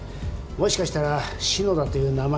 もしかしたら篠田という名前も。